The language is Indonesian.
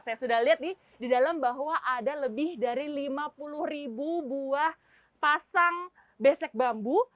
saya sudah lihat nih di dalam bahwa ada lebih dari lima puluh ribu buah pasang besek bambu